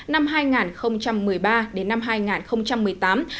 năm hai nghìn một mươi ba đến năm hai nghìn một mươi tám